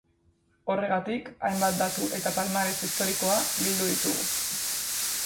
Horregatik, hainbat datu eta palmares historikoa bildu ditugu.